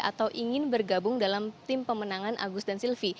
atau ingin bergabung dalam tim pemenangan agus dan silvi